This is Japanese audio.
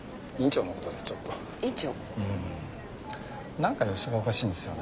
なんか様子がおかしいんですよね。